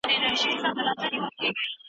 د علم تبادله اوس خورا چټکه ده.